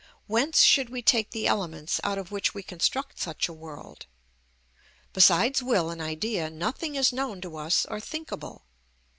Whence should we take the elements out of which we construct such a world? Besides will and idea nothing is known to us or thinkable.